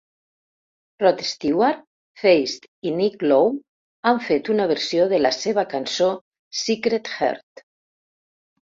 Rod Stewart, Feist i Nick Lowe han fet una versió de la seva cançó, "Secret Heart".